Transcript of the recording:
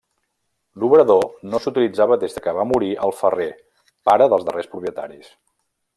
L'obrador no s'utilitzava des que va morir el ferrer, pare dels darrers propietaris.